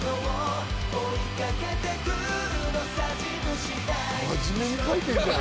真面目に書いてるじゃん。